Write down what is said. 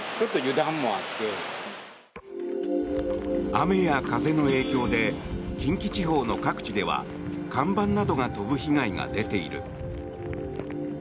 雨や風の影響で近畿地方の各地では看板などが飛ぶ被害が出ている。